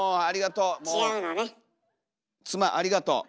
妻ありがとう。